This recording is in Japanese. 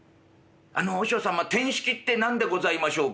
あの和尚様てんしきって何でございましょうか？」。